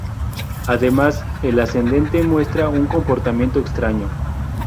Además, el ascendente muestra un comportamiento extraño.